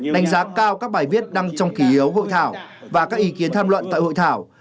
đánh giá cao các bài viết đăng trong kỳ yếu hội thảo và các ý kiến tham luận tại hội thảo